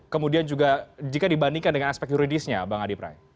kemudian juga jika dibandingkan dengan aspek yuridisnya bang adi prai